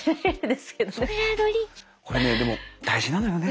これねでも大事なのよね。